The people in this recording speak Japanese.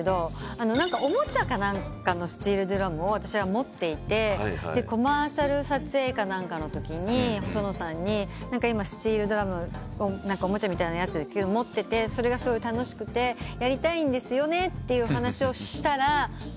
おもちゃか何かのスチールドラムを私は持っていてコマーシャル撮影か何かのときに細野さんに今スチールドラムおもちゃみたいなやつ持っててそれがすごい楽しくてやりたいんですって話をしたらやった方がいいよとおっしゃって。